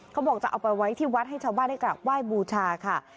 เขาบอกจะเอาไปไว้ที่วัดให้ชาวบ้านได้กราบไหว้บูชาค่ะ